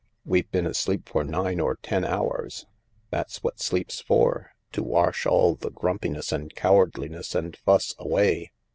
We've been asleep for mne or ten hours. That's what sleep's for— to wash all the grumpiness and cowardliness and fuss away.